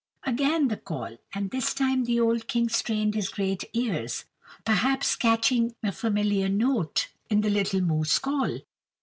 Again the call, and this time the old King strained his great ears, perhaps catching a familiar note in the little moose call.